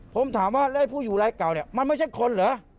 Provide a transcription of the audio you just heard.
ผมถามว่าแล้วผู้อยู่รายเก่าเนี่ยมันไม่ใช่คนเหรอ